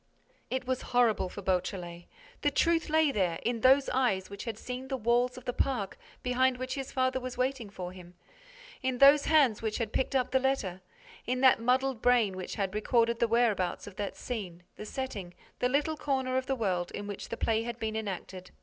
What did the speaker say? It was horrible for Beautrelet. The truth lay there, in those eyes which had seen the walls of the park behind which his father was waiting for him, in those hands which had picked up the letter, in that muddled brain which had recorded the whereabouts of that scene, the setting, the little corner of the world in which the play had been enacted.